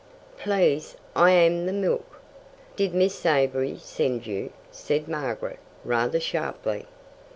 "Please, I am the milk." "Did Miss Avery send you?" said Margaret, rather sharply.